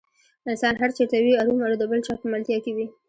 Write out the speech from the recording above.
انسان هر چېرته وي ارومرو د بل چا په ملتیا کې وي.